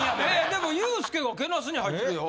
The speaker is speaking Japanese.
でもユースケがけなすに入ってるよ。